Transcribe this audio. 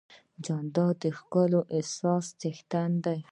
جانداد د ښکلي احساس څښتن دی.